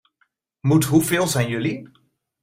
Moet hoeveel zijn jullie?